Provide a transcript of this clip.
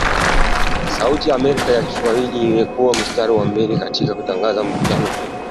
Sauti ya Amerika ya kiswahili imekua mstari wa mbele katika kutangaza matukio muhimu ya dunia